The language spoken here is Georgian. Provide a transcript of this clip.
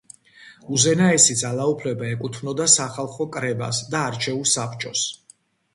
უზენაესი ძალაუფლება ეკუთვნოდა სახალხო კრებას და არჩეულ საბჭოს.